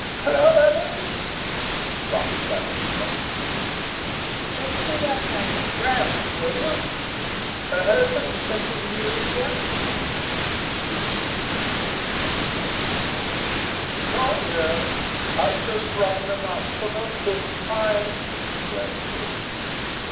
"Hullo, Evans," Fox shouted across it, "just see that man from Grant's, will you? Heard from the Central News yet?" He was looking through the papers on the desk. "Not yet, I've just rung them up for the fifth time," the answer came.